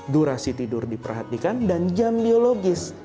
durasi tidur diperhatikan dan jam biologis